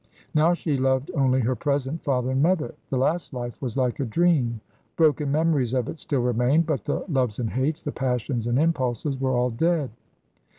Now she loved only her present father and mother. The last life was like a dream. Broken memories of it still remained, but the loves and hates, the passions and impulses, were all dead.